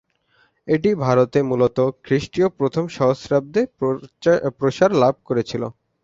এটি ভারতে মূলত খ্রিস্টীয় প্রথম সহস্রাব্দে প্রসার লাভ করেছিল।